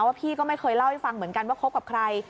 พี่ก็ไม่เคยเล่าให้ฟังเหมือนกันว่าคบกับใคร